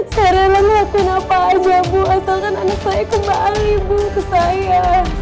saya rela ngelakuin apa aja bu asalkan anak saya kembali bu ke saya